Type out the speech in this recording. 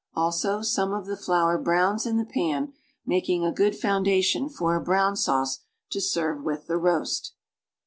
Also some of the flour browns in the pan, making a good foundation for a brown sauce to serve with the roast.